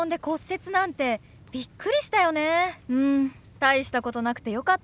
大したことなくてよかったね。